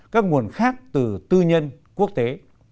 các nguồn khác từ tư nhân quốc tế